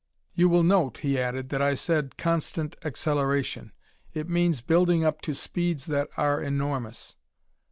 "You will note," he added, "that I said 'constant acceleration.' It means building up to speeds that are enormous."